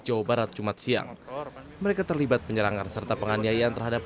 jawa barat jumat siang mereka terlibat penyerangan serta penganiayaan terhadap